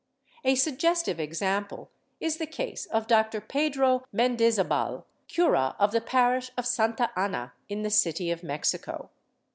A suggestive example is the case of Doctor Pedro Mendizabal, cura of the parish of Santa Ana in the City of Mexico.